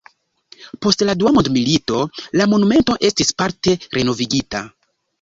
Post la dua mondmilito la monumento estis parte renovigita.